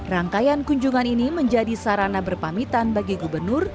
rangkaian kunjungan ini menjadi sarana berpamitan bagi gubernur